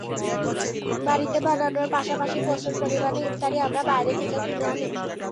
বাড়িতে বানানোর পাশাপাশি প্রচুর পরিমাণে ইফতারি আমরা বাইরে থেকেও কিনে আনি।